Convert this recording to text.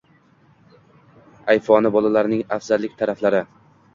Ayfoni borlarning afzallik taraflari